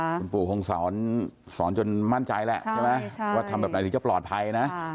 คุณปู่คงสอนจนมั่นใจแหละใช่ไหมว่าทำแบบไหนถึงจะปลอดภัยนะ